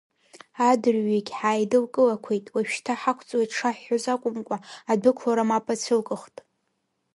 Адырҩегь ҳааидылкылақәеит, уажәшьҭа ҳақәҵуеит шаҳҳәоз акәымкәа, адәықәлара мап ацәылкыхт.